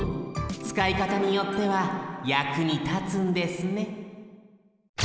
つかいかたによってはやくにたつんですね